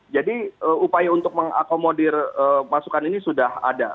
jadi upaya untuk mengakomodir masukan ini sudah ada